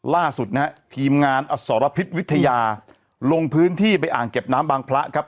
ล่าสุดนะฮะทีมงานอสรพิษวิทยาลงพื้นที่ไปอ่างเก็บน้ำบางพระครับ